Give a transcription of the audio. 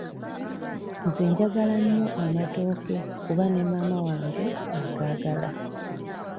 Nze njagala nnyo amatooke kuba ne maama wange agaagala.